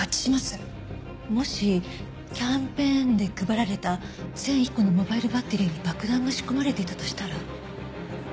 もしキャンペーンで配られた１００１個のモバイルバッテリーに爆弾が仕込まれていたとしたら。